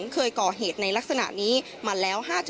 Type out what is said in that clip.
เคยก่อเหตุในลักษณะนี้มาแล้ว๕๗